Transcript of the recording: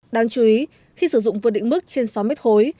đáng chú ý khi sử dụng vừa định mức trên sáu m khối